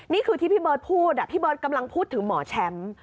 นี่คือที่พี่เบิร์ตพูดพี่เบิร์ตกำลังพูดถึงหมอแชมป์